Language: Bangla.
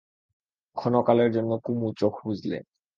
ক্ষণকালের জন্যে কুমু চোখ বুজলে।